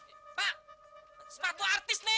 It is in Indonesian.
pak sepatu artis nih